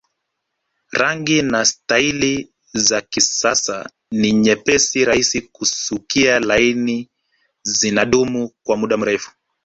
Rangi na staili za kisasa ni nyepesi rahisi kusukia laini zinadumu kwa muda mrefu